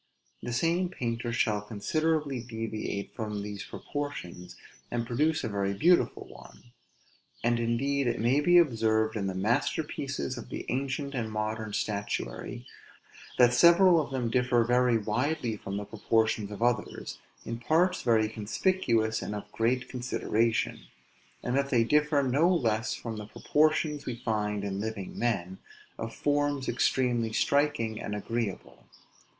The same painter shall considerably deviate from these proportions, and produce a very beautiful one. And, indeed, it may be observed in the masterpieces of the ancient and modern statuary, that several of them differ very widely from the proportions of others, in parts very conspicuous and of great consideration; and that they differ no less from the proportions we find in living men, of forms extremely striking and agreeable.